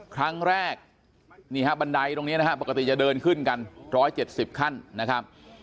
ครั้งแรกนี่ฮะบันไดตรงนี้นะฮะปกติจะเดินขึ้นกัน๑๗๐ขั้นนะครับ